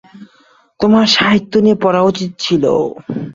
তোমার সাহিত্য নিয়ে পড়া উচিৎ ছিল।